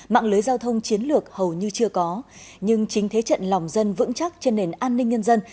mạng lưới giao thông chiến lược hầu như chưa có nhưng chính thế trận lòng dân vững chắc trên nền an ninh nhân dân